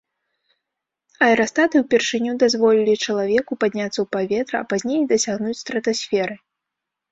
Аэрастаты ўпершыню дазволілі чалавеку падняцца ў паветра, а пазней і дасягнуць стратасферы.